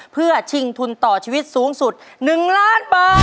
เพื่อชิงทุนต่อชีวิตสูงสุด๑ล้านบาท